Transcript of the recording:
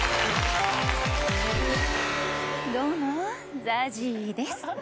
どうもＺＡＺＹです。